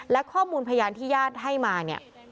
และข้อมูลพยานที่ญาติให้มาเนี่ย